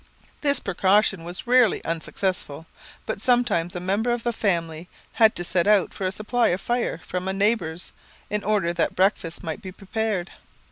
This precaution was rarely unsuccessful; but sometimes a member of the family had to set out for a supply of fire from a neighbour's, in order that breakfast might be prepared.